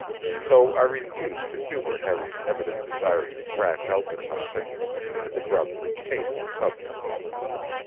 So I refused to humor Harry's evident desire to thrash out the topic, and abruptly changed the subject.